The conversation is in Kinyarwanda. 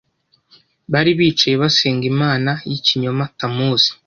Bari bicaye basenga imana y’ikinyoma Tamuzi